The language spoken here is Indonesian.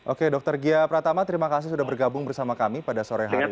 oke dr gia pratama terima kasih sudah bergabung bersama kami pada sore hari ini